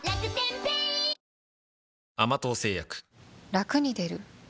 ラクに出る？